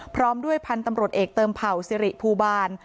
พร้อมด้วยพันธุ์ตำรวจเอกเติมเผ่าสิริภูบาล